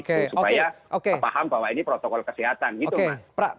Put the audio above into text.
supaya paham bahwa ini protokol kesehatan gitu mas